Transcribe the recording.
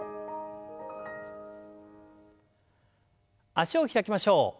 脚を開きましょう。